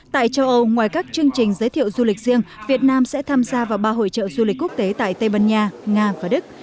tại châu âu ngoài các chương trình giới thiệu du lịch riêng việt nam sẽ tham gia vào ba hội trợ du lịch quốc tế tại tây ban nha nga và đức